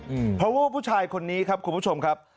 อืมเพราะว่าผู้ชายคนนี้ครับคุณผู้ชมครับ